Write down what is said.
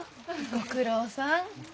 ご苦労さん。